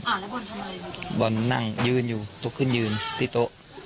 อ่าแล้วบอลทำอะไรบอลนั่งยืนอยู่ตกขึ้นยืนที่โต๊ะอืม